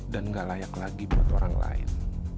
dan gak layak lagi buat orang lain